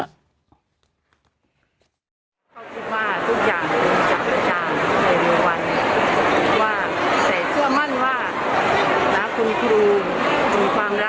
เขาคิดว่าทุกอย่างถึงจากประชาชน์ในเวลาวันว่าแต่เชื่อมั่นว่านะคุณครู